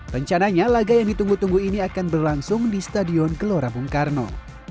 rencananya laga yang ditunggu tunggu ini akan berlangsung di stadion gelora bung karno